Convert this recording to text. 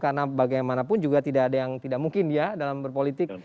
karena bagaimanapun juga tidak ada yang tidak mungkin ya dalam berpolitik